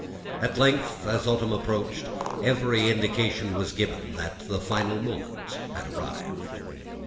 At length, as autumn approached, every indication was given that the final moment had arrived.